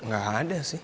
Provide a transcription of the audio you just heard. gak ada sih